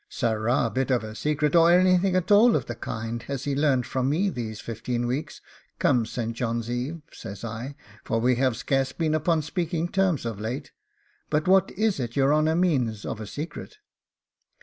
'Sarrah bit of a secret, or anything at all of the kind, has he learned from me these fifteen weeks come St. John's Eve,' says I, 'for we have scarce been upon speaking terms of late. But what is it your honour means of a secret?